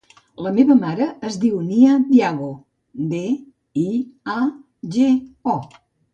La meva mare es diu Nia Diago: de, i, a, ge, o.